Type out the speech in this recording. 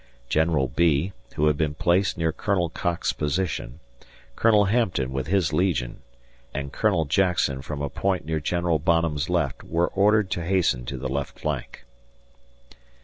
General Bee, who had been placed near Col. Cocke's position, Col. Hampton with his legion, and Colonel Jackson from a point near Gen. Bonham's left were ordered to hasten to the left flank.